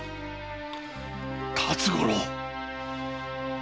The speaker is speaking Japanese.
辰五郎！